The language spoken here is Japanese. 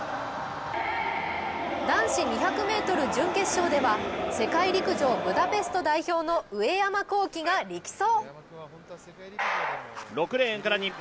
男子２００ｍ準決勝では世界陸上ブダペスト代表の上山紘輝が力走。